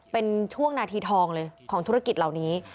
เป็นช่วงนาทีทองเลยของธุรกิจเหล่านี้